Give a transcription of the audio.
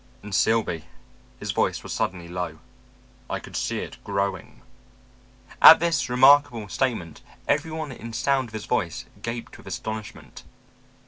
And Silby" his voice was suddenly low "I could see it growing." At this remarkable statement, everyone in sound of his voice gaped with astonishment.